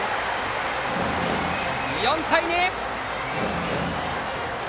４対２！